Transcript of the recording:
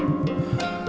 aduh aduh aduh